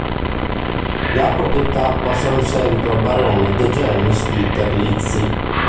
La proprietà passo seguito al Barone de Gemmis di Terlizzi.